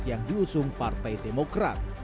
yang diusung partai demokrat